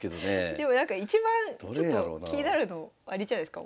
でもなんか一番ちょっと気になるのあれじゃないすか？